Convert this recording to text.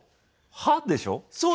は？でしょう。